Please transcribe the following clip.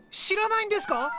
知らないんですか？